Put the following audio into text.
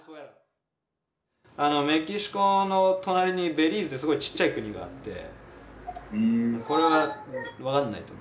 メキシコの隣にベリーズってすごいちっちゃい国があってこれは分かんないと思う。